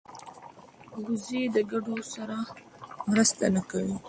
وزې له ګډو سره مرسته نه کوي